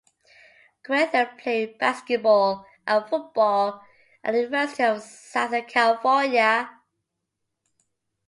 Guenther played basketball and football at the University of Southern California.